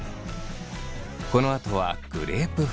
このあとはグレープフルーツ。